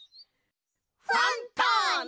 ファンターネ！